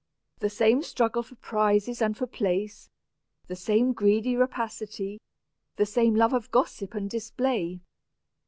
The same struggle for prizes and for place, the same greedy rapacity, the same love of gossip and display.